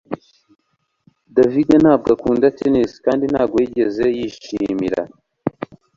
David ntabwo akunda tennis kandi ntabwo yigeze yishimira